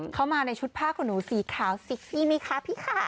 เข้ามาในชุดผ้าของหนูสีขาวเซ็กซี่ไหมคะพี่ค่ะ